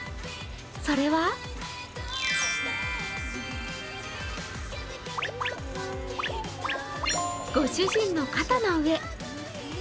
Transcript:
それはご主人の肩の上。